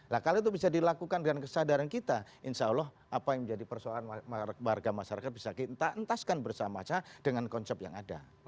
nah kalau itu bisa dilakukan dengan kesadaran kita insya allah apa yang menjadi persoalan warga masyarakat bisa kita entaskan bersama sama dengan konsep yang ada